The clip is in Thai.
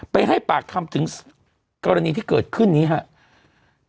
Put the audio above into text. ให้ปากคำถึงกรณีที่เกิดขึ้นนี้ครับ